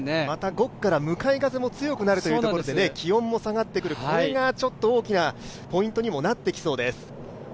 また５区から向かい風も強くなるところで気温も下がってくるこれが大きなポイントにもなってきそうです。